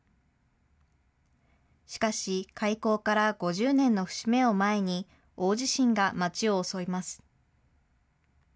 しかし、開校から５０年の節目を前に、大地震が街を襲います。